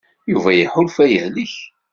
Yuba iḥulfa yehlek.